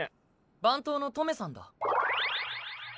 番頭のトメさんだ。